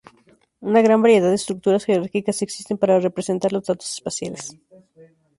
Una gran variedad de estructuras jerárquicas existen para representar los datos espaciales.